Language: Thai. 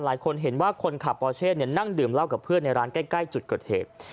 หลายคนเห็นว่าคนขับปอเช่นั่งดื่มเหล้ากับเพื่อนในร้านใกล้จุดเกิดเหตุ